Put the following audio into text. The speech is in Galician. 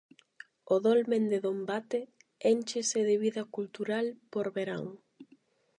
O dolmen de Dombate énchese de vida cultural por verán.